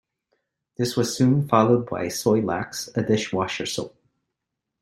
This was soon followed by Soilax, a dishwasher soap.